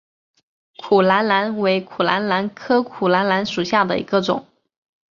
苦槛蓝为苦槛蓝科苦槛蓝属下的一个种。